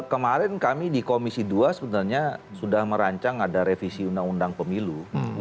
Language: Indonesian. kemarin kami di komisi dua sebenarnya sudah merancang ada revisi undang undang pemilu